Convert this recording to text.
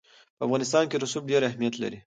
په افغانستان کې رسوب ډېر اهمیت لري.